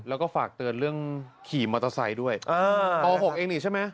แล้วก็ฝากเตือนเรื่องขี่มอเตอร์ไซค์ด้วยป๖เองนี่ใช่ไหม